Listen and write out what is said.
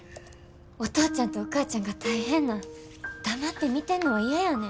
お父ちゃんとお母ちゃんが大変なん黙って見てんのは嫌やねん。